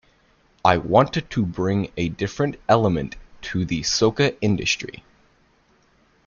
I wanted to bring a different element to the soca industry.